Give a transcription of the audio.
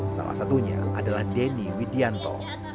salah satunya adalah denny widianto